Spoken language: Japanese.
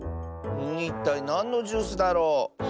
いったいなんのジュースだろう？